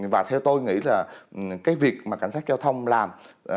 và theo tôi nghĩ là cái việc mà cảnh sát giao thông làm